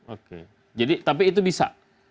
oke tapi itu bisa